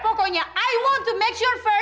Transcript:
pokoknya aku mau pastikan dulu